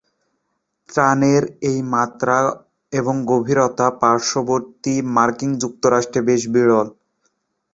ত্রাণের এই মাত্রা এবং গভীরতা পার্শ্ববর্তী মার্কিন যুক্তরাষ্ট্রে বেশ বিরল।